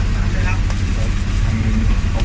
มีใจกังไงครับ